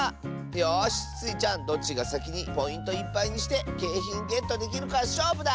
よしスイちゃんどっちがさきにポイントいっぱいにしてけいひんゲットできるかしょうぶだ！